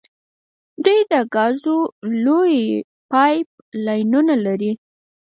دوی د ګازو لویې پایپ لاینونه لري.